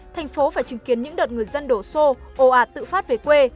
thành phố phải chứng kiến những đợt người dân đổ xô ồ ạt tự phát về quê